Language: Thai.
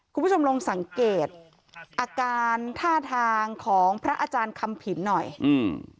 คุณผู้ชมลองสังเกตอาการท่าทางของพระอาจารย์คำผินหน่อยอืม